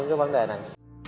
với vấn đề này